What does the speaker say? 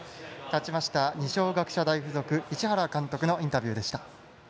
勝ちました二松学舎大付属市原監督のインタビューでした。